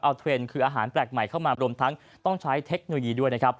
เอาเทรนด์คืออาหารแปลกใหม่เข้ามารวมทั้งต้องใช้เทคโนโลยีด้วยนะครับ